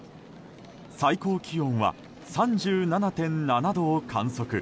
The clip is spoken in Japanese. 最高気温は３７．７度を観測。